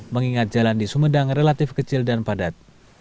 mengingat jalan di sumedang relatif kecil dan padat